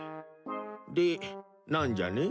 で何じゃね？